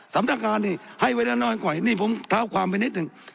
สำนักงานนี่ให้ไว้แล้วน้อยกว่านี่ผมเท้าความไปนิดหนึ่ง